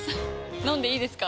飲んでいいですか？